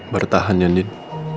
bertahan ya nid